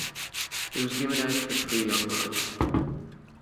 It was given out for free online.